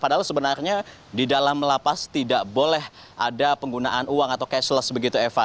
padahal sebenarnya di dalam lapas tidak boleh ada penggunaan uang atau cashless begitu eva